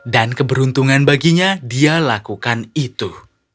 dan keberuntungan baginya dia lakukan itu